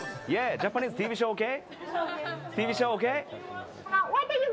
ジャパニーズＴＶショー、ＯＫ？